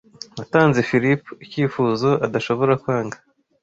Natanze Philip icyifuzo adashobora kwanga.